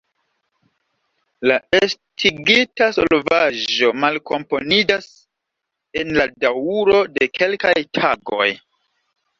La estigita solvaĵo malkomponiĝas en la daŭro de kelkaj tagoj.